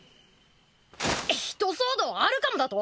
ひと騒動あるかもだと！？